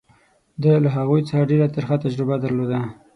ده له هغوی څخه ډېره ترخه تجربه درلوده.